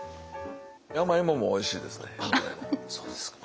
山芋もおいしいですね。